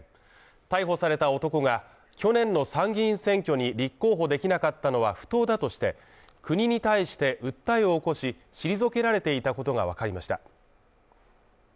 逮捕された男が去年の参議院選挙に立候補できなかったのは不当だとして国に対して訴えを起こし、退けられていたことがわかりました。